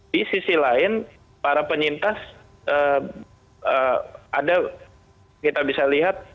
di sisi lain para penyintas ada kita bisa lihat